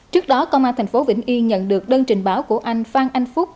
trước đó công an thành phố vĩnh yên nhận được đơn trình báo của anh phan anh phúc